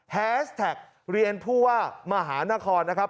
แฮสแท็กเรียนผู้ว่ามหานครนะครับ